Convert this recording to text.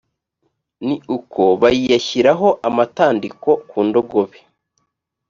ni uko bayiyashyiraho amatandiko ku ndogobe